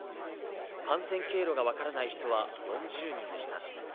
感染経路が分からない人は４０人でした。